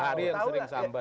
hari yang sering sambat